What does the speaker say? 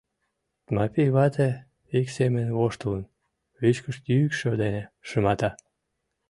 Тмапий вате, ик семын воштылын, вичкыж йӱкшӧ дене шымата: